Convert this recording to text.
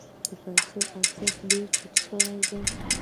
د پیسو ارزښت یې ډیر ټیټ شوی دی.